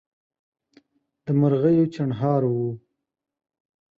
د مرغیو چڼهار وو